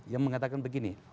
yang mengatakan begini